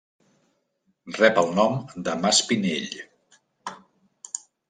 Rep el nom del Mas Pinell.